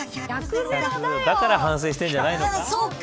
だから反省してるじゃないの。